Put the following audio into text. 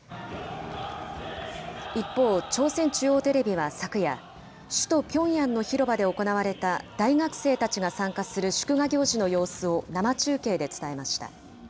一方、朝鮮中央テレビは昨夜、首都ピョンヤンの広場で行われた大学生たちが参加する祝賀行事の様子を生中継で伝えました。